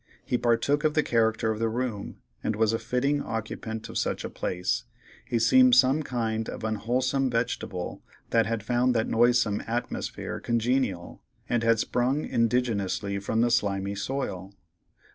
He partook of the character of the room, and was a fitting occupant of such a place; he seemed some kind of unwholesome vegetable that had found that noisome atmosphere congenial, and had sprung indigenously from the slimy soil.